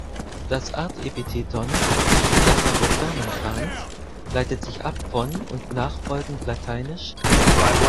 Das Artepitheton "saccharofermentans" leitet sich ab von und nachfolgend lat.